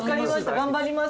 頑張ります。